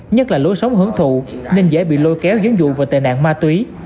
nhất là lối sống hưởng thụ nên dễ bị lôi kéo gián dụng và tệ nạn ma túy